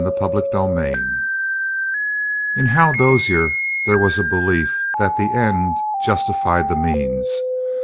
CHAPTER 25 In Hal Dozier there was a belief that the end justified the means.